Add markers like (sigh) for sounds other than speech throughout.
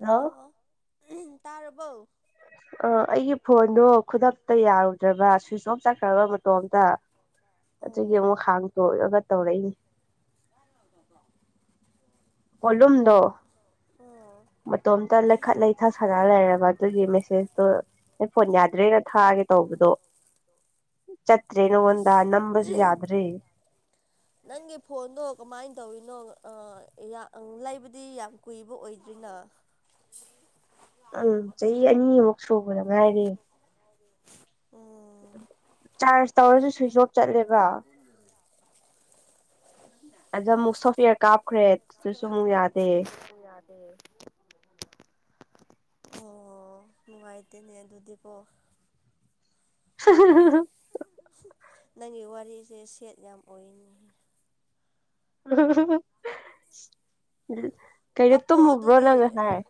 Hello ꯇꯥꯔꯕꯣ ꯑꯩꯒꯤ ꯐꯣꯟꯗꯣ ꯈꯨꯗꯛꯇ ꯌꯥꯔꯨꯗ꯭ꯔꯕ ꯁ꯭ꯋꯤꯆ ꯑꯣꯐ ꯆꯠꯈ꯭ꯔꯕ ꯃꯇ ꯇꯣꯝꯇ ꯑꯗꯨꯒꯤ ꯑꯃꯨꯛ ꯑꯣ ꯍꯥꯡꯇꯣꯛꯑꯒ ꯇꯧꯔꯛꯏꯅꯤ (unintelligible) ꯄꯣꯠꯂꯨꯝꯗꯣ ꯑꯣ ꯃꯇꯣꯝꯇ ꯂꯩꯈꯠ ꯂꯩꯊ ꯁꯥ ꯂꯩꯔꯕ ꯑꯗꯨꯒꯤ ꯃꯦꯁꯦꯖꯇꯨ ꯅ ꯐꯣꯟ ꯌꯥꯗ꯭ꯔꯦꯅ ꯊꯥꯒꯦ ꯇꯧꯕꯗꯣ ꯆꯠꯇ꯭ꯔꯦ ꯅꯉꯣꯜꯗ ꯑꯁ ꯅꯝꯕꯁꯨ ꯌꯥꯗ꯭ꯔꯦ ꯅꯪꯒꯤ ꯐꯣꯟꯗꯣ ꯀꯃꯥꯏꯅ ꯇꯧꯔꯤꯅꯣ ꯂꯩꯕꯨꯗꯤ ꯌꯥꯝ ꯀꯨꯏꯕ ꯑꯣꯏꯗ꯭ꯔꯤꯅ ꯎꯝ ꯆꯍꯤ ꯑꯅꯤꯃꯨꯛ ꯁꯨꯕꯗ ꯉꯥꯏꯔꯤ ꯎꯝ ꯆꯥꯔꯖ ꯇꯧꯔꯁꯨ ꯁ꯭ꯋꯤꯆ ꯑꯣꯐ ꯆꯠꯂꯦꯕ (unintelligible) ꯑꯗ ꯑꯃꯨꯛ ꯁꯣꯐꯋꯦꯌꯔ ꯀꯥꯞꯈ꯭ꯔꯦ ꯑꯗꯨꯗꯁꯨ ꯑꯃꯨꯛ ꯌꯥꯗꯦ ꯃꯨ ꯌꯥꯗꯦ ꯑꯣ ꯅꯨꯡꯉꯥꯏꯇꯦꯅꯦ ꯑꯗꯨꯗꯤ ꯀꯣ (unintelligible) ꯅꯪꯒꯤ ꯋꯥꯔꯤꯁꯦ ꯁꯦꯠ ꯌꯥꯝ ꯑꯣꯏꯅꯦꯍꯦ ꯀꯩꯅꯣ ꯀꯥꯞꯄꯣꯛꯑꯣ ꯇꯨꯝꯃꯨꯕ꯭ꯔꯣ ꯑꯗꯨꯗꯤ ꯅꯪ ꯉꯁꯥꯏ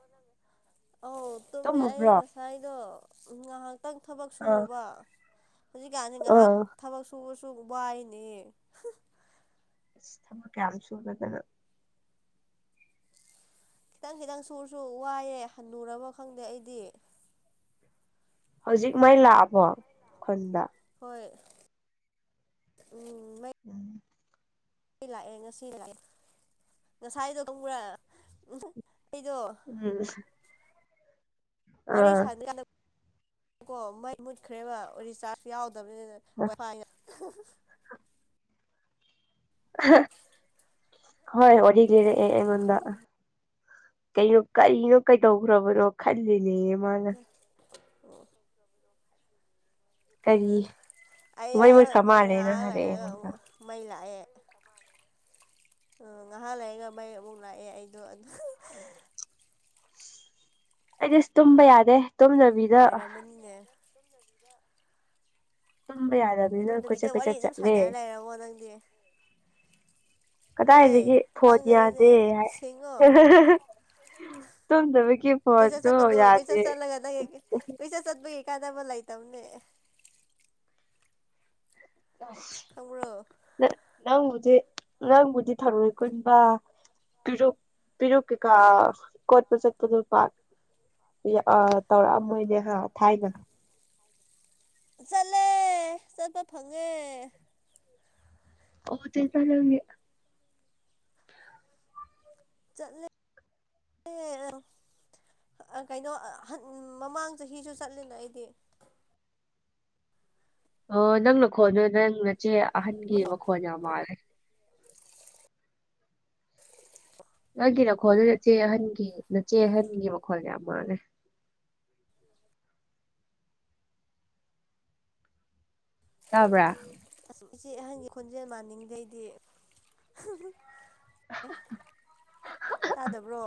ꯑꯧ ꯇꯨꯝꯃꯦ ꯑꯩ ꯇꯨꯝꯃꯨꯕ꯭ꯔꯣ ꯉꯁꯥꯏꯗꯣ ꯉꯍꯥꯛ ꯇꯪ ꯊꯕꯛ ꯑꯥ ꯁꯨꯔꯨꯕ ꯍꯧꯖꯤꯛꯀꯥꯟꯖꯤ ꯉꯍꯥꯛ ꯑꯥ ꯊꯕꯛ ꯁꯨꯕꯁꯨ ꯋꯥꯏꯅꯦ ꯑꯁ ꯊꯕꯛ ꯀꯌꯥꯝ ꯁꯨꯔꯗꯅ ꯇꯪ ꯈꯤꯇꯪ ꯁꯨꯔꯁꯨ ꯋꯥꯏꯌꯦ ꯍꯟꯅꯨꯔꯕ ꯈꯪꯗꯦ ꯑꯩꯗꯤ ꯍꯧꯖꯤꯛ ꯃꯩ ꯂꯥꯛꯑꯕꯣ ꯈꯨꯟꯗ ꯍꯣꯏ ꯎꯝ ꯃꯩ ꯎꯝ ꯑꯩ ꯂꯥꯛꯑꯦ ꯉꯁꯤ ꯂꯥꯛꯑꯦ ꯉꯁꯥꯏꯗꯣ ꯈꯪꯕ꯭ꯔꯥ ꯑꯩꯗꯣ ꯎꯝ ꯋꯥꯔꯤ ꯑꯥ (inaudible) ꯀꯣ ꯃꯩ ꯃꯨꯠꯈ꯭ꯔꯦꯕ ꯔꯤꯆꯥꯔꯖ ꯌꯥꯎꯗꯕꯅꯤꯅ ꯋꯥꯏꯐꯥꯏ ꯍꯣꯏ ꯋꯥꯔꯤ ꯂꯩꯔꯛꯑꯦ ꯑꯩꯉꯣꯟꯗ ꯀꯩꯅꯣ ꯀꯔꯤꯅꯣ ꯀꯩꯗꯧꯒ꯭ꯔꯕꯅꯣ ꯈꯜꯂꯤꯅꯦꯌꯦ ꯃꯥ (inaudible) ꯑ ꯀꯔꯤ ꯑꯩ ꯃꯩ ꯑꯍ ꯃꯨꯠꯈ꯭ꯔ ꯃꯥꯜꯂꯦꯅ ꯉꯍꯥ ꯍꯥꯏꯔꯛꯑꯦ ꯂꯩꯔꯒ ꯑꯃꯨ ꯑꯩꯉꯣꯟꯗ ꯃꯩ ꯂꯥꯛꯑꯦ ꯑ ꯉꯍꯥꯛ ꯂꯩꯒ ꯃꯩ ꯑꯃꯨꯛ ꯂꯥꯛꯑꯦ ꯑꯩꯗꯣ ꯑꯗꯨ ꯑꯩꯗꯤ ꯑꯁ ꯇꯨꯝꯕ ꯌꯥꯗꯦ ꯇꯨꯝꯗꯕꯤꯗ ꯅꯨꯡꯉꯥꯏꯔꯝꯃꯅꯤꯅꯦ ꯇꯨꯝꯕ ꯌꯥꯗꯕꯅꯤꯅ ꯀꯣꯏꯆꯠ ꯗꯨꯝꯗꯕꯤꯗ ꯋꯥꯔꯤ ꯀꯣꯏꯆꯠ ꯑꯗꯨꯝ ꯆꯠꯂꯦ ꯁꯥꯟꯅꯔ ꯂꯩꯔꯕꯣ ꯅꯪꯗꯤ ꯍꯦ ꯀꯗꯥꯏꯗꯒꯤ ꯐꯣꯟ ꯄꯪꯒꯅꯨꯅꯦ ꯌꯥꯗꯦ ꯍꯥꯏ ꯁꯤꯡꯉꯣ ꯇꯨꯝꯗꯕꯒꯤ ꯀꯣꯏꯆꯠ ꯐꯣꯟꯁꯨ ꯆꯠꯀꯅꯨ ꯌꯥꯗꯦ ꯀꯣꯏꯆꯠ ꯆꯠꯂꯒ ꯅ ꯀꯣꯏꯆꯠ ꯆꯠꯄꯒꯤ ꯀꯥꯟꯗꯅꯕ ꯂꯩꯇꯝꯅꯦ ꯑꯁ ꯈꯪꯕ꯭ꯔꯣ ꯅ ꯅꯪꯕꯨꯗꯤ ꯅꯪꯕꯨꯗꯤ ꯊꯔꯣꯏ ꯈꯨꯟꯕ ꯇꯨꯖꯨ ꯄꯤꯔꯨꯛ ꯀꯩꯀꯥ ꯀꯣꯠꯄ ꯆꯠꯄꯗꯣ ꯄꯥꯛ ꯌ ꯑ ꯇꯧꯔꯛꯑꯝꯃꯣꯏꯅꯦ ꯊꯥꯏꯅ ꯆꯂꯦ ꯆꯠꯄ ꯐꯪꯉꯦ ꯎꯗꯦꯗ ꯅꯪꯗꯤ ꯆꯠꯂꯦ ꯑꯦ ꯀꯩꯅꯣ ꯍꯟ ꯃꯃꯥꯡ ꯆꯍꯤꯁꯨ ꯆꯠꯂꯦꯅ ꯑꯩꯗꯤ ꯑꯣ ꯅꯪ ꯅꯈꯣꯟꯗ ꯅꯪ ꯅꯆꯦ ꯑꯍꯟꯒꯤ ꯃꯈꯣꯟ ꯌꯥꯝ ꯃꯥꯜꯂꯦ ꯅꯪꯒꯤ ꯅꯈꯣꯜꯗꯨ ꯅꯆꯦ ꯑꯍꯟꯒꯤ ꯅꯆꯦ ꯑꯍꯟꯒꯤ ꯃꯈꯣꯜ ꯌꯥꯝ ꯃꯥꯜꯂꯦ ꯇꯥꯕ꯭ꯔꯥ ꯑꯁ ꯏꯆꯦ ꯑꯍꯟꯒꯤ ꯈꯣꯟꯖꯦꯜ ꯃꯥꯟꯅꯤꯡꯗꯦ ꯑꯩꯗꯤ ꯇꯥꯗꯕ꯭ꯔꯣ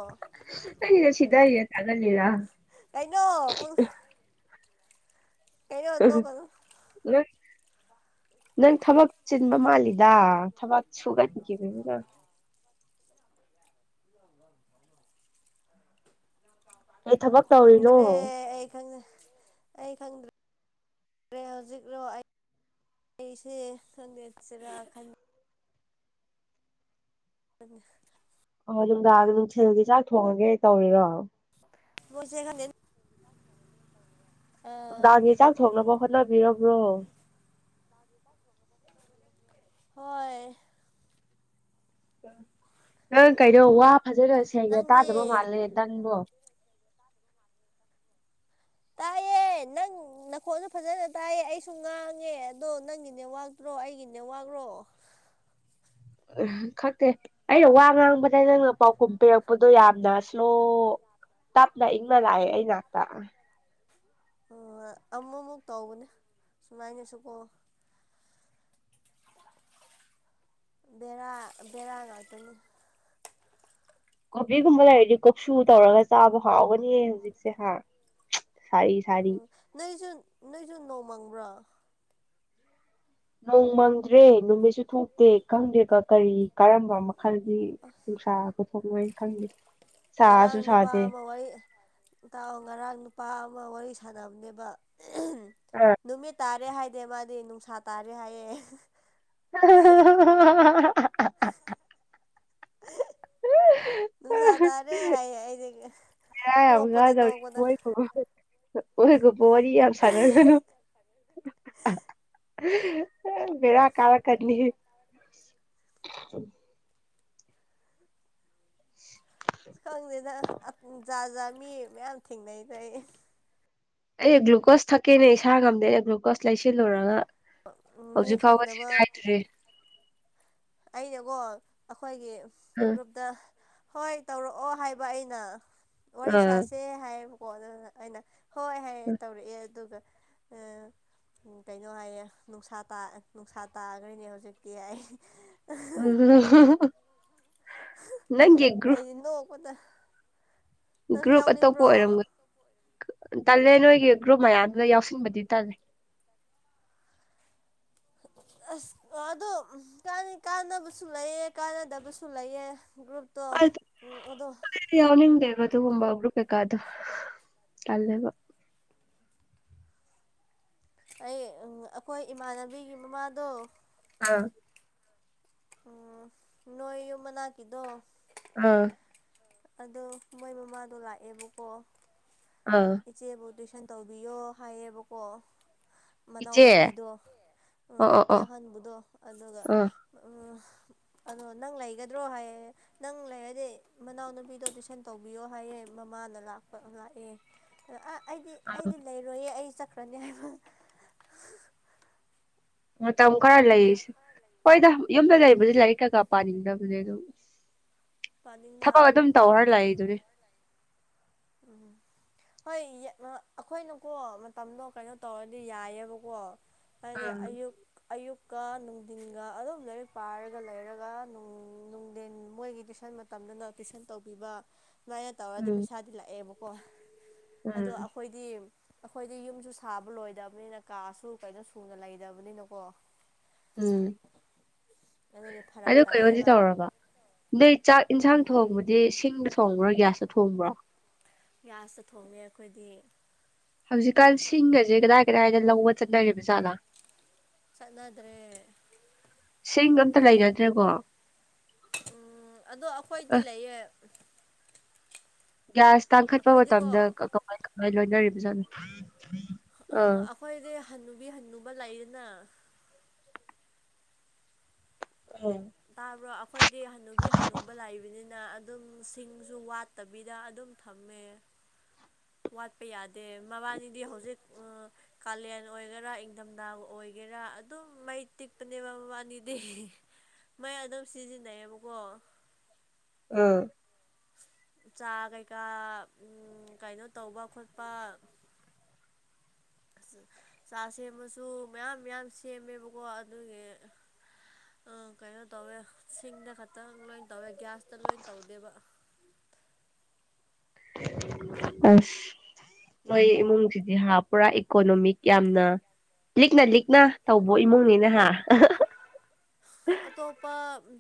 ꯅꯪꯒꯤꯗꯣ ꯁꯤꯗꯔꯤꯔ ꯇꯥꯒꯜꯂꯤꯔ ꯀꯩꯅꯣ ꯄꯨꯡ ꯀꯩꯅꯣ ꯅꯣꯛꯀꯅꯨ ꯅꯪ ꯅꯪ ꯊꯕꯛ ꯆꯤꯟꯕ ꯃꯥꯜꯂꯤ ꯗꯥ ꯊꯕꯛ ꯁꯨꯒꯟꯒꯤꯕꯖꯤꯅ (unintelligible) ꯌꯝ ꯆꯥꯎꯅ ꯄꯥꯟꯕ ꯀꯩ ꯊꯕꯛ ꯃꯥꯟꯗ꯭ꯔꯣ ꯇꯧꯔꯤꯅꯣ ꯈꯪꯗ꯭ꯔꯦ ꯑꯩ ꯈꯪꯗꯦ ꯑꯩ ꯈꯪꯗ꯭ꯔꯦ ꯔꯦ ꯍꯧꯖꯤꯛꯔꯣ ꯑꯩ ꯑꯩꯁꯦ ꯈꯪꯗꯦ ꯆꯦꯔꯥ ꯈꯟ (unintelligible) ꯑꯣ ꯅꯨꯡꯗꯥꯡꯗ ꯅꯨꯡꯊꯦꯜꯒꯤ ꯆꯥꯛ ꯊꯣꯡꯉꯒꯦ ꯇꯧꯔꯤꯔꯣ ꯃꯣꯏꯁꯦ ꯈꯪꯗꯦꯟ ꯅꯨꯡꯗꯥꯒꯤ ꯆꯥꯛ ꯊꯣꯡꯅꯕ ꯍꯣꯠꯅꯕꯤꯔꯥꯕ꯭ꯔꯣ ꯍꯣꯏ ꯅꯪ ꯀꯩꯅꯣ ꯋꯥ ꯐꯖꯅ ꯁꯦꯡꯅ ꯅꯪꯗꯤ ꯇꯥꯗꯕ ꯃꯥꯜꯂꯦ ꯅꯪꯕꯣ ꯇꯥꯏꯌꯦ ꯅꯪ ꯅꯈꯣꯟꯜꯁꯨ ꯐꯖꯅ ꯇꯥꯏꯌꯦ ꯑꯩꯁꯨ ꯉꯥꯡꯉꯦ ꯑꯗꯣ ꯅꯪꯒꯤ ꯅꯦꯠꯋꯥꯛ ꯇ꯭ꯔꯣ ꯑꯩꯒꯤ ꯅꯦꯠꯋꯥꯛ ꯔꯣ (unintelligible) ꯈꯛꯇꯦ ꯑꯩꯅ ꯋꯥ ꯉꯥꯡꯕꯗ ꯅꯪꯅ ꯄꯥꯎꯈꯨꯝ ꯄꯤꯔꯛꯄꯗꯣ ꯌꯥꯝꯅ ꯁ꯭ꯂꯣ ꯇꯞꯅ ꯏꯪꯅ ꯂꯥꯛꯑꯦ ꯑꯩ ꯅꯛꯇꯥ ꯑꯥ ꯑꯃꯨꯛ ꯑꯃꯨꯛ ꯇꯧꯕꯅꯦ ꯁꯨꯃꯥꯏꯅꯁꯨꯀꯣ ꯕꯦꯔꯥ ꯕꯦꯔꯥ ꯉꯥꯛꯇꯅꯤ ꯀꯣꯕꯤꯒꯨꯝꯕ ꯂꯩꯔꯗꯤ ꯀꯣꯛꯁꯨ ꯇꯧꯔꯒ ꯆꯥꯕ ꯍꯥꯎꯒꯥꯅꯤꯌꯦ ꯍꯨꯖꯤꯛꯁꯦ ꯍꯥꯥ ꯑꯥ ꯅꯣꯏꯁꯨ ꯅꯣꯏꯁꯨ ꯅꯣꯡ ꯃꯪꯕ꯭ꯔꯥ ꯅꯣꯡ ꯃꯪꯗ꯭ꯔꯦ ꯅꯨꯃꯤꯠꯁꯨ ꯊꯣꯛꯇꯦ ꯈꯪꯗꯦ ꯀꯥ ꯀꯔꯤ ꯀꯔꯝꯕ ꯑꯃ ꯐꯔꯗꯤ ꯅꯨꯡꯁꯥꯒ ꯊꯣꯛꯂꯣꯏ ꯈꯪꯗꯦ ꯉꯔꯥꯡ ꯁꯥꯁꯨ ꯅꯨꯄꯥ ꯁꯥꯗꯦ ꯑꯃ ꯋꯥꯔꯤ ꯇꯥꯎ ꯉꯔꯥꯡ ꯅꯨꯄꯥ ꯑꯃ ꯋꯥꯔꯤ ꯁꯥꯟꯅꯕꯅꯦꯕ ꯑꯦꯍꯝ ꯑꯥ ꯅꯨꯃꯤꯠ ꯇꯥꯔꯦ ꯍꯥꯏꯗꯦ ꯃꯥꯗꯤ ꯅꯨꯡꯁꯥ ꯇꯥꯔꯦ ꯍꯥꯏꯌꯦ (unintelligible) (unintelligible) ꯅꯨꯡꯁꯥ ꯇꯥꯔꯦ ꯍꯥꯏꯌꯦ ꯑꯩꯗꯤ ꯅꯣꯛꯄꯗ ꯅꯣꯛꯄꯗ (unintelligible) ꯑꯣꯏꯒꯕ ꯋꯥꯔꯤ ꯌꯥꯝ ꯁꯥꯟꯅꯖꯅꯨ ꯕꯦꯔꯥ ꯀꯥꯔꯛꯀꯥꯅꯤ ꯁꯥ ꯈꯪꯗꯦꯗ ꯑꯥꯠ ꯖꯥ ꯖꯥ ꯃꯤ ꯃꯌꯥꯝ ꯊꯦꯡꯅꯩꯗ ꯑꯩ ꯑꯩ ꯒ꯭ꯂꯨꯀꯣꯁ ꯊꯛꯀꯦꯅꯦ ꯏꯁꯥ ꯉꯝꯗꯦ ꯒ꯭ꯂꯨꯀꯣꯁ ꯂꯩꯁꯤꯜꯂꯨꯔꯒꯥ ꯃꯤ ꯍꯧꯖꯤꯛ ꯐꯥꯎ ꯁꯤ ꯈꯪꯗꯕ ꯀꯥꯏꯗ꯭ꯔꯤ ꯑꯩꯅꯀꯣ ꯑꯈꯣꯏꯒꯤ ꯒ꯭ꯔꯨꯞꯇꯥ ꯍꯣꯏ ꯇꯧꯔꯛꯑꯣ ꯍꯥꯏꯕ ꯑꯩꯅ ꯋꯥꯔꯤ ꯑꯥ ꯁꯥꯥꯁꯦ ꯍꯥꯏꯌꯦꯕꯀꯣ ꯑꯗꯨꯅ ꯑꯩꯅ ꯍꯣꯏ ꯍꯥꯏ ꯇꯧꯔꯛꯑꯦ ꯑꯗꯨꯒ ꯑꯥ ꯎꯝ ꯀꯩꯅꯣ ꯍꯥꯏꯌꯦ ꯅꯨꯡꯁꯥ ꯇꯥ ꯅꯨꯡꯁꯥ ꯇꯥꯒ꯭ꯔꯦꯅꯦ ꯍꯧꯖꯤꯛꯇꯤ ꯍꯥꯏ (unintelligible) ꯎꯝ ꯑꯩꯗꯤ ꯅꯣꯛꯄꯗ ꯅꯪꯁꯨ ꯒ꯭ꯔꯨꯞ ꯑꯇꯣꯞꯄ ꯌꯥꯎꯅꯤꯡꯕ꯭ꯔꯣ ꯑꯣꯏꯔꯝꯒ ꯇꯜꯂꯦ ꯅꯣꯏꯒꯤ ꯒ꯭ꯔꯨꯞ ꯃꯌꯥꯝꯗꯨꯗ ꯌꯥꯎꯁꯤꯟꯕꯗꯤ ꯇꯜꯂꯦ (unintelligible) ꯑꯁ ꯑꯥꯗꯣ ꯎꯝ ꯀꯥꯟꯗꯤ ꯀꯥꯟꯅꯕꯁꯨ ꯂꯩꯌꯦ ꯀꯥꯟꯅꯗꯕꯁꯨ ꯂꯩꯌꯦ ꯒ꯭ꯔꯨꯞ ꯇꯣ ꯎꯝ ꯑꯗꯣ ꯑꯩ ꯌꯥꯎꯅꯤꯡꯗꯦꯕ ꯑꯗꯨꯒꯨꯝꯕ ꯒ꯭ꯔꯨꯞ ꯀꯩꯀꯥꯗꯣ ꯇꯜꯂꯦꯕ ꯑꯩ ꯎꯝ ꯑꯈꯣꯏ ꯏꯃꯥꯟꯅꯕꯤꯒꯤ ꯃꯃꯥꯗꯣ ꯑꯥ ꯎꯝ ꯅꯣꯏ ꯌꯨ ꯃꯅꯥꯛꯀꯤꯗꯣ ꯑꯥ ꯑꯗꯣ ꯃꯣꯏ ꯃꯃꯥꯗꯣ ꯂꯥꯛꯑꯦꯕꯀꯣ ꯑꯥ ꯏꯆꯦꯕꯨ ꯇꯨꯏꯁꯟ ꯇꯧꯕꯤꯌꯣ ꯍꯥꯏꯌꯦꯕꯀꯣ ꯏꯆꯦ ꯃꯅꯥꯎꯅꯨꯄꯤꯗꯣ ꯑ ꯑꯣ ꯑꯣ ꯏꯆꯦ ꯑꯣ ꯑꯍꯟꯕꯗꯣ ꯑꯗꯨꯒ ꯑꯥ ꯑ ꯑꯗꯣ ꯅꯪ ꯂꯩꯒꯗ꯭ꯔꯣ ꯍꯥꯏꯌꯦ ꯅꯪ ꯂꯩꯔꯗꯤ ꯃꯅꯥꯎꯅꯨꯄꯤꯗꯣ ꯇꯨꯏꯁꯟ ꯇꯧꯕꯤꯌꯣ ꯍꯥꯏꯌꯦ ꯃꯃꯥꯅ ꯂꯥꯛꯄ ꯉꯥꯛꯑꯦ ꯑ ꯑ ꯑꯩꯗꯤ ꯑꯩꯗꯤ ꯂꯩꯔꯣꯏꯌꯦ ꯑꯩ ꯆꯠꯈ꯭ꯔꯅꯤ ꯍꯥꯏꯕ ꯃꯇꯝ ꯈꯔ ꯂꯩꯔꯤꯁꯦ ꯍꯣꯏꯗ ꯌꯨꯝꯗ ꯂꯩꯕꯥꯁꯤ ꯂꯥꯏꯔꯤꯛ ꯀꯩ ꯀꯥ ꯄꯥꯅꯤꯡꯗꯕꯅꯦ ꯑꯗꯨꯝ ꯄꯥꯅꯤꯡꯗꯦ ꯊꯕꯛ ꯑꯗꯨꯝ ꯑꯃꯐꯥꯎ ꯇꯧꯔ ꯄꯥꯅꯤꯡꯗꯦ ꯂꯥꯛꯏꯗꯨꯅꯦ ꯎꯝ ꯍꯣꯏ ꯌꯥꯛꯅꯥ ꯑꯩꯈꯣꯏꯅꯀꯣ ꯃꯇꯝꯗꯣ ꯀꯩꯅꯣ ꯇꯧꯔꯗꯤ ꯌꯥꯏꯑꯕꯀꯣ ꯍꯥꯏꯗꯤ ꯑꯥ ꯑꯌꯨꯛ ꯑꯌꯨꯛꯀ ꯅꯨꯡꯊꯤꯟꯒ ꯑꯗꯨꯝ ꯂꯥꯏꯔꯤꯛ ꯄꯥꯏꯔꯒ ꯂꯩꯔꯒꯅꯨꯡ ꯅꯨꯡꯊꯤꯟ ꯃꯣꯏꯒꯤ ꯇꯨꯏꯁꯟ ꯃꯠ ꯇꯝꯗꯅ ꯇꯨꯁꯟ ꯇꯧꯕꯤꯕ ꯁꯨꯃꯥꯏꯅ ꯇꯧꯔꯗꯤ ꯎꯝ ꯄꯩꯁꯥꯗꯤ ꯂꯥꯛꯑꯦꯕꯀꯣ ꯑꯗꯣ ꯎꯝ ꯑꯈꯣꯏꯗꯤ ꯑꯈꯣꯏꯗꯤ ꯌꯨꯝꯁꯨ ꯁꯥꯕ ꯂꯣꯏꯗꯕꯅꯤꯅ ꯀꯥꯁꯨ ꯀꯩꯅꯣ ꯁꯨꯅ ꯂꯩꯗꯕꯅꯤꯅꯀꯣ ꯎꯝ ꯑꯗꯨꯒꯤ ꯐꯔꯛ ꯑꯗꯨ ꯀꯩꯅꫭꯗꯤ ꯇꯥꯏꯌꯦꯕ ꯇꯧꯔꯕ ꯅꯣꯏ ꯆꯥꯛ ꯏꯟꯁꯥꯡ ꯊꯣꯡꯕꯗꯤ ꯁꯤꯡꯗ ꯊꯣꯡꯕ꯭ꯔꯣ ꯒ꯭ꯌꯥꯁꯇ ꯊꯣꯡꯕ꯭ꯔꯣ ꯒ꯭ꯌꯥꯁꯇ ꯊꯣꯡꯉꯦ ꯑꯈꯣꯏꯗꯤ ꯍꯧꯖꯤꯛꯀꯥꯟ ꯁꯤꯡꯒꯁꯦ ꯀꯗꯥꯏ ꯀꯗꯥꯏꯗ ꯂꯧꯕ ꯆꯠꯅꯔꯤꯕꯖꯥꯠꯂ ꯆꯠꯅꯗ꯭ꯔꯦ ꯁꯤꯗꫭ ꯑꯝꯇ ꯂꯩꯅꯗ꯭ꯔꯦꯀꯣ ꯎꯝ ꯑꯗꯣ ꯑꯈꯣꯏꯗꯤ ꯑ ꯂꯩꯌꯦ ꯒ꯭ꯌꯥꯁ ꯇꯥꯡꯈꯠꯄ ꯑꯩꯈꯣꯏꯗꯤꯀꯣ ꯃꯇꯝꯗ ꯀ ꯀꯃꯥꯏ ꯀꯃꯥꯏ ꯂꯣꯏꯅꯔꯤꯕꯖꯥꯠꯅꯣ ꯑꯥ ꯑꯈꯣꯏꯗꯤ ꯍꯟꯅꯨꯕꯤ ꯍꯟꯅꯨꯕ ꯂꯩꯌ‌ꯦꯅ ꯑꯥ ꯇꯥꯕ꯭ꯔꫭ ꯑꯛ ꯑꯈꯣꯏꯗꯤ ꯍꯅꯨꯕꯤ ꯍꯅꯨꯕ ꯂꯥꯏꯕꯅꯤꯅ ꯑꯗꯨꯝ ꯁꯤꯡꯁꯨ ꯋꯥꯠꯇꯕꯤꯗ ꯑꯗꯨꯝ ꯊꯝꯃꯦ ꯋꯥꯠꯄ ꯌꯥꯗꯦ ꯃꯕꯥꯅꯤꯗꯤ ꯍꯧꯖꯤꯛ ꯑ ꯀꯥꯂꯦꯟ ꯑꯣꯏꯒꯦꯔꯥ ꯏꯪꯊꯝꯊꯥ ꯑꯣꯏꯒꯦꯔꯥ ꯑꯗꯨꯝ ꯃꯩ ꯇꯤꯛꯄꯅꯦ ꯃꯕꯥꯅꯤꯗꯤ ꯃꯩ ꯑꯗꯨꯝ ꯁꯤꯖꯤꯟꯅꯩꯌꯦꯕꯀꯣ ꯎꯝ ꯆꯥ ꯀꯩꯀꯥ ꯀꯩꯅꯣ ꯇꯧꯕ ꯈꯣꯠꯄ ꯆꯥ ꯁꯦꯝꯕꯁꯨ ꯃꯌꯥꯝ ꯃꯌꯥꯝ ꯁꯦꯝꯃꯦꯕꯀꯣ ꯑꯗꯨꯒꯤ ꯑꯥ ꯀꯩꯅꯣ ꯇꯧꯋꯦ ꯁꯤꯡꯗ ꯈꯛꯇꯪ ꯂꯣꯏ ꯇꯧꯋꯦ ꯒ꯭ꯌꯥꯁꯇ ꯂꯣꯏ ꯇꯧꯗꯦꯕ ꯑꯁ ꯅꫭꯏ ꯏꯃꯨꯡꯁꯤꯗꯤ ꯍꯥ ꯄꯨꯔꯥ ꯏꯀꯣꯅꯣꯃꯤꯛ ꯌꯥꯝꯅ ꯂꯤꯛꯅ ꯂꯤꯛꯅ ꯇꯧꯕ ꯏꯃꯨꯡꯅꯤꯅ‌ꯦꯍꯥ ꯑꯇꯣꯞꯄ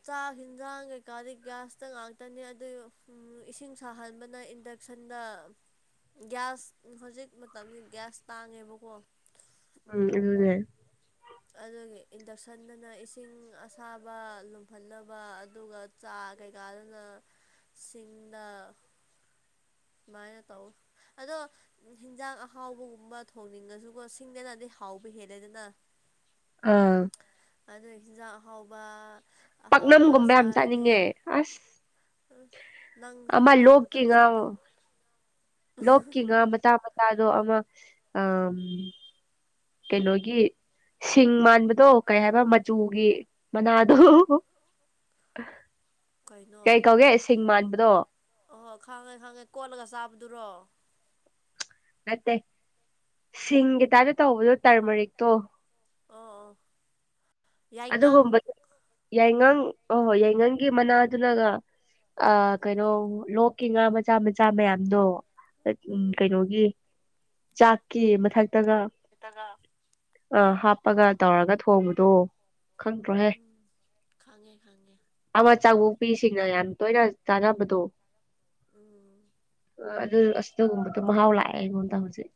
ꯆꯥꯛ ꯍꯤꯖꯥꯡ ꯀꯩꯀꯥꯗꯤ ꯒꯤꯌꯥꯁꯇ ꯉꯥꯛꯇꯅꯤ ꯑꯗꯨꯏ ꯎꯝ ꯏꯁꯤꯡ ꯁꯥꯍꯟꯕꯅ ꯏꯟꯗꯛꯁꯟꯗ ꯒꯤꯌꯥ꯭ꯁ ꯍꯧꯖꯤꯛ ꯃꯇꯝꯁꯤ ꯒꯤꯌꯥ꯭ꯁ ꯇꯥꯡꯉꯦꯕꯀꯣ ꯎꯝ ꯑꯗꯨꯅꯦ ꯑꯗꯨꯒꯤ ꯏꯟꯗꯛꯁꯟꯗꯅ ꯏꯁꯤꯡ ꯑꯁꯥꯕ ꯂꯨꯝꯍꯟꯅꯕ ꯑꯗꯨꯒ ꯆꯥ ꯀꯩꯀꯥꯗꯨꯅ ꯁꯤꯡꯗ ꯁꯨꯃꯥꯏꯅ ꯇꯧ ꯑꯗꯣ ꯍꯤꯡꯖꯥꯡ ꯑꯍꯥꯎꯕꯒꯨꯝꯕ ꯊꯣꯡꯅꯤꯡꯉꯁꯨꯀꯣ ꯁꯤꯡꯗꯅꯗꯤ ꯍꯥꯎꯕ ꯍꯦꯜꯂꯦꯗꯅ ꯑꯥ꯫ ꯑꯗꯨꯏ ꯍꯤꯟꯖꯥꯡ ꯑꯍꯥꯎꯕ ꯑꯍꯥꯎꯕ ꯄꯥꯛꯅꯝꯒꯨꯝꯕ ꯌꯥꯝ ꯆꯥꯔꯗꯤ ꯆꯥꯅꯤꯡꯉꯦ ꯑꯁ ꯅꯪꯖꯨ ꯑꯃ ꯃꯇꯥꯡ ꯃꯇꯝ ꯆꯥꯗꯦ ꯂꯣꯛꯀꯤꯉ ꯃꯇꯥ ꯃꯠ ꯇꯥꯗꯣ ꯑꯃ ꯑꯝ ꯀꯩꯅꯣꯒꯤ ꯁꯤꯡ ꯃꯥꯟꯕ ꯗꯣ ꯀꯩ ꯍꯥꯏꯕ ꯃꯆꯨꯒꯤ ꯃꯅꯥꯗꯣ ꯀꯩ ꯀꯧꯒꯦ ꯁꯤꯡ ꯃꯥꯟꯕꯗꯣ ꯑꯣꯍꯣ ꯈꯪꯉꯦ ꯈꯪꯉꯦ ꯀꯣꯜꯂꯒ ꯆꯥꯕꯗꯨꯔꯣ ꯅꯠꯇꯦ ꯁꯤꯡꯒꯤ ꯇꯥꯏꯞꯇ ꯇꯧꯕꯗꯣ ꯇꯔꯃꯔꯤꯛꯇꯣ ꯑꯥ ꯑꯥ ꯑꯗꯨꯒꯨꯝꯕ ꯌꯥꯏꯉꯪ ꯑꯣꯍꯣꯏ ꯌꯥꯏꯉꯪꯒꯤ ꯃꯅꯥꯗꯨꯅꯒ ꯑꯥ ꯀꯩꯅꯣ ꯂꯣꯛꯀꯤ ꯉꯥ ꯃꯆꯥ ꯃꯆꯥ ꯃꯌꯥꯝꯗꯣ ꯎꯝ ꯀꯩꯅꯣꯒꯤ ꯆꯥꯛꯀꯤ ꯃꯊꯛꯇꯒ ꯇꯒ ꯑꯥ ꯍꯥꯞꯄꯒ ꯇꯧꯔꯒ ꯊꯣꯡꯕꯗꯣ ꯈꯪꯗ꯭ꯔꯣꯍꯦ ꯎꯝ ꯈꯪꯉꯦ ꯈꯪꯉꯦ ꯑꯃ ꯆꯕꯣꯛꯄꯤꯁꯤꯡꯅ ꯌꯥꯝ ꯇꯣꯏꯅ ꯆꯥꯅꯕꯗꯣ ꯎꯝ ꯑꯗꯨ ꯑꯁ ꯗꯨꯒꯨꯝꯕꯗꯨ ꯃꯍꯥꯎ ꯂꯥꯛꯑꯦ ꯑꯩꯉꯣꯟꯗ ꯍꯨꯖꯤꯛ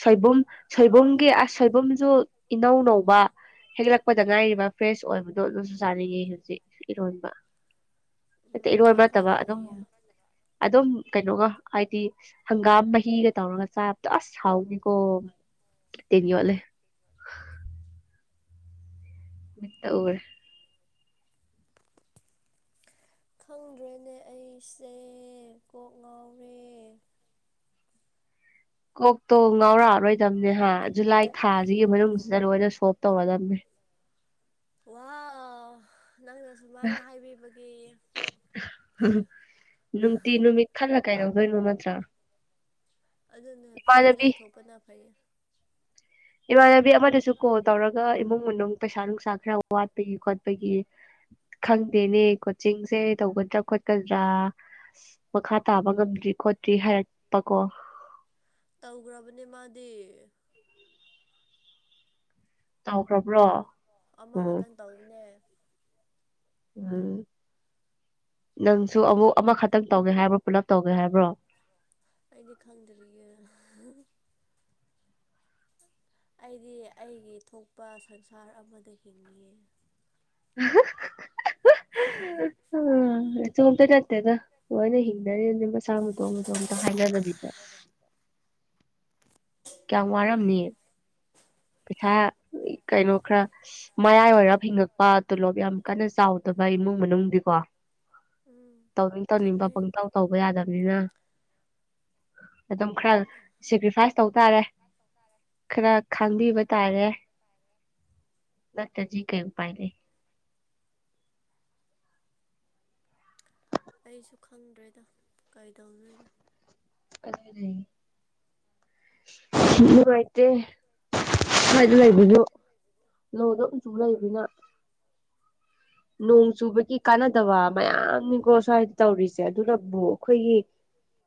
ꯁꯣꯏꯕꯨꯝ ꯁꯣꯏꯕꯨꯝꯒꯤ ꯑꯁ ꯁꯣꯏꯕꯨꯝꯖꯨ ꯏꯅꯧ ꯅꯧꯕ ꯍꯦꯛꯂꯛ ꯄꯗ ꯉꯥꯏꯔꯤꯕ ꯐ꯭ꯔꯦꯁ ꯑꯣꯏꯕꯗꯣ ꯑꯗꯨꯖꯨ ꯆꯥꯅꯤꯡꯉꯤ ꯍꯧꯖꯤꯛ ꯐ꯭ꯔꯦꯁ ꯏꯔꯣꯟꯕ ꯑꯣꯏꯕꯗꯣ ꯑꯗꯨꯝ ꯆꯥꯅꯤꯡꯉꯤ ꯅꯠꯇꯦ ꯎꯝ ꯏꯔꯣꯟꯕ ꯅꯠꯇꯕ ꯑꯩꯈꯣꯏꯗ ꯑꯗꯨꯝ ꯂꯩꯌꯦ ꯑꯗꯨꯝ ꯀꯩꯅꯣꯒ ꯍꯥꯏꯗꯤ ꯍꯪꯒꯥꯝ ꯃꯍꯤ ꯍꯤꯒ ꯇꯧꯔꯒ ꯆꯥꯕꯗꯣ ꯑꯁ ꯍꯥꯎꯅꯤꯀꯣ ꯇꯤꯟ ꯌꯣꯠꯂꯦ ꯃꯤꯠꯇ ꯎꯔꯦ ꯈꯪꯗ꯭ꯔꯦꯅꯦ ꯑꯩꯁꯦ ꯀꯣꯛ ꯉꯥꯎꯔꯦ ꯀꯣꯛꯇꯣ ꯉꯥꯎꯔꯛꯑꯔꯣꯏꯗꯝꯅꯦ ꯍꯥ ꯖꯨꯂꯥꯏ ꯊꯥꯁꯤꯒꯤ ꯃꯅꯨꯡꯁꯤꯗ ꯂꯣꯏꯅ ꯁꯣꯞ ꯇꯧꯔꯗꯝꯅꯦ ꯋꯥ ꯅꯪꯅ ꯁꯨꯃꯥꯏꯅ ꯍꯥꯏꯕꯤꯕꯒꯤ ꯅꯨꯡꯇꯤ ꯅꯨꯃꯤꯠ ꯈꯜꯂ ꯀꯩꯗꯧꯗꯣꯏꯅꯣ ꯅꯠꯇ꯭ꯔꯥ ꯑꯗꯨꯅꯦ ꯐ꯭ꯔꯤꯗ ꯏꯃꯥꯟꯅꯕꯤ ꯂꯩꯊꯣꯛꯄꯅ ꯐꯩꯌꯦ ꯏꯃꯥꯟꯅꯕꯤ ꯑꯃꯗꯁꯨ ꯀꯣꯜ ꯇꯧꯔꯒ ꯏꯃꯨꯡ ꯃꯅꯨꯡ ꯄꯩꯁꯥ ꯅꯨꯡꯁꯥ ꯈꯔ ꯋꯥꯠꯄꯒꯤ ꯈꯣꯠꯄꯒꯤ ꯈꯪꯗꯦꯅꯦ ꯀꯣꯆꯤꯡꯁꯦ ꯇꯧꯒꯗ꯭ꯔꯥ ꯈꯣꯠꯀꯗ꯭ꯔꯥ ꯃꯈꯥ ꯇꯥꯕ ꯉꯝꯗ꯭ꯔꯤ ꯈꯣꯠꯇ꯭ꯔꯤ ꯍꯥꯏꯔꯛꯄ ꯀꯣ ꯇꯧꯒ꯭ꯔꯕꯅꯦ ꯃꯥꯗꯤ ꯇꯧꯈ꯭ꯔꯕ꯭ꯔꯣ ꯎꯝ ꯑꯃꯈꯇꯪ ꯇꯧꯕꯅꯦ ꯎꯝ ꯅꯪꯁꯨ ꯑꯃꯨꯛ ꯑꯃꯈꯇꯪ ꯇꯧꯒꯦ ꯍꯥꯏꯕ꯭ꯔꯣ ꯄꯨꯂꯞ ꯇꯧꯒꯦ ꯍꯥꯏꯕ꯭ꯔꯣ ꯑꯩꯗꯤ ꯈꯪꯗ꯭ꯔꯤꯌꯦ ꯑꯩꯗꯤ ꯑꯩꯒꯤ ꯊꯣꯛꯄ ꯁꯪꯁꯥꯔ ꯑꯃꯗ ꯍꯤꯡꯉꯤꯌꯦ (unintelligible) ꯎ (unintelligible) ꯅꯇꯣꯝꯇ ꯅꯠꯇꯦꯗ ꯂꯣꯏꯅ ꯍꯤꯡꯅꯔꯤꯝꯅꯤ ꯃꯁꯥ ꯃꯇꯣꯝ ꯃꯇꯣꯝꯇ ꯍꯥꯏꯅꯗꯕꯤꯗ ꯀꯌꯥꯝ ꯋꯥꯔꯝꯅꯤ ꯄꯩꯁꯥ ꯀꯩꯅꯣ ꯈꯔ ꯃꯌꯥꯏ ꯑꯣꯏꯔꯞ ꯍꯤꯡꯉꯛꯄ ꯇꯣꯂꯣꯞ ꯌꯥꯝ ꯀꯟꯅ ꯆꯥꯎꯗꯕ ꯏꯃꯨꯡ ꯃꯅꯨꯡꯗꯤꯀꯣ ꯎꯝ ꯇꯧꯅꯤꯡ ꯇꯧꯅꯤꯡꯕ ꯆꯨꯝꯃꯦ ꯄꯪꯇꯥꯎ ꯇꯧꯕ ꯌꯥꯗꯝꯅꯤꯅ ꯑꯗꯨꯝ ꯈꯔ ꯁꯦꯀ꯭ꯔꯤꯐꯥꯏꯁ ꯇꯧ ꯇꯥꯔꯦ ꯈꯔ ꯈꯪꯕꯤꯕ ꯇꯥꯔꯦ ꯅꯠꯇꯗꯤ ꯀꯩ ꯎꯄꯥꯏ ꯂꯩꯩ ꯑꯩꯁꯨ ꯈꯪꯗ꯭ꯔꯦꯗ ꯀꯩꯗꯧꯗꯣꯏꯅꯣ ꯑꯗꯨꯅꯦ ꯅꯨꯡꯉꯥꯏꯇꯦ ꯁꯨꯋꯥꯏꯗꯥ ꯂꯩꯕꯁꯨ ꯂꯣꯗ ꯎꯆꯨ ꯂꯩꯕꯅꯤꯅ ꯅꯣꯡ ꯆꯨꯕꯒꯤ ꯀꯥꯟꯅꯗꯕ ꯃꯌꯥꯝꯅꯤꯀꯣ ꯁ꯭ꯋꯥꯏꯗ ꯇꯧꯔꯤꯁꯦ ꯑꯗꯨꯅꯕꯨ ꯑꯩꯈꯣꯏꯒꯤ